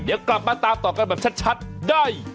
เดี๋ยวกลับมาตามต่อกันแบบชัดได้